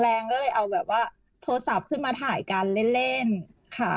แรงก็เลยเอาแบบว่าโทรศัพท์ขึ้นมาถ่ายกันเล่นค่ะ